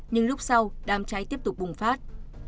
nhưng lúc sau đàm cháy tiếp tục bùng phát